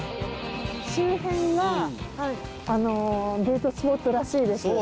周辺がデートスポットらしいです。